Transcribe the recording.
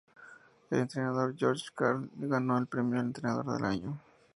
El entrenador George Karl ganó el premio al Entrenador del Año.